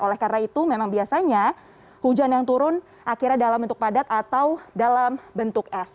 oleh karena itu memang biasanya hujan yang turun akhirnya dalam bentuk padat atau dalam bentuk es